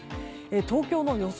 東京の予想